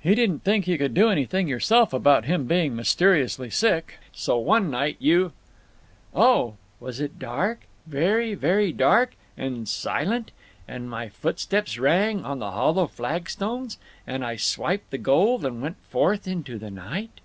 He didn't think you could do anything yourself about him being mysteriously sick. So one night you—" "Oh, was it dark? Very very dark? And silent? And my footsteps rang on the hollow flagstones? And I swiped the gold and went forth into the night?"